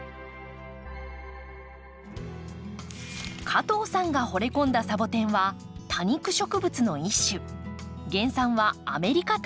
加藤さんがほれ込んだサボテンは多肉植物の一種。